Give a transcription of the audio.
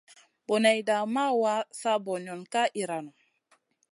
Boneyda ma wa, sa banion ka iyranou.